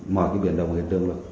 mọi cái biển đồng hiện trường là